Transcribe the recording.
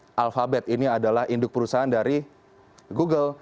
ini bukan alfabet ini adalah induk perusahaan dari google